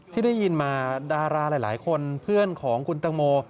ที่ได้ยินมาดาราหลายคนเพื่อนของคุณตังโม